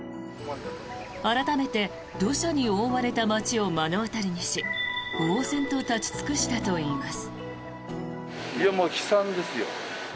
改めて土砂に覆われた街を目の当たりにしぼうぜんと立ち尽くしたといいます。